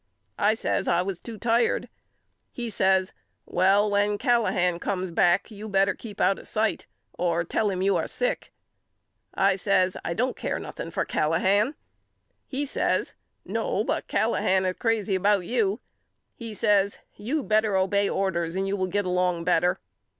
I says I was too tired. He says Well when Callahan comes back you bet ter keep out of sight or tell him you are sick. I says I don't care nothing for Callahan. He says No but Callahan is crazy about you. He says You better obey orders and you will git along better.